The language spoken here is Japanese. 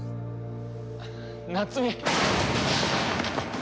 夏美。